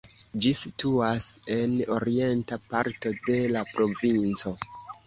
Ĝi situas en la orienta parto de la provinco.